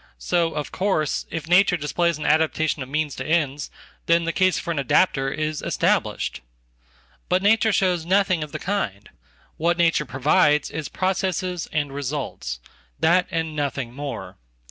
So, of course, if nature displays an adaptation of means to ends, then the casefor an adapter is established. But nature shows nothing of the kind. What nature provides isprocesses and results. That and nothing more.